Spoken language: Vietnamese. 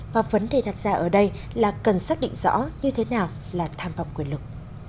và vấn đề đặt ra ở đây là cần xác định rõ như thế nào là tham vọng quyền lực